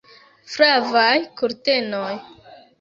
Flavaj kurtenoj!